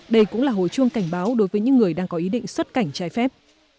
đây cũng là hồi chuông cảnh báo đối với những người đang có ý định xuất cảnh trái phép